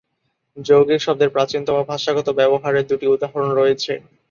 যৌগিক শব্দের প্রাচীনতম ভাষাগত ব্যবহারের দুটি উদাহরণ রয়েছে।